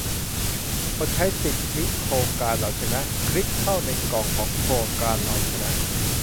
กดใช้สิทธิโครงการเราชนะ คลิกเข้าในกล่องของโครงการเราชนะ